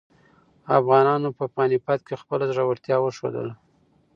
افغانانو په پاني پت کې خپله زړورتیا وښودله.